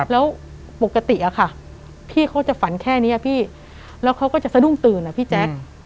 แล้วปกติอะค่ะพี่เขาจะฝันแค่นี้พี่แล้วเขาก็จะสะดุ้งตื่นอ่ะพี่แจ๊ค